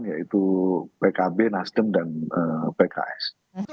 yaitu pkb nasdem dan pks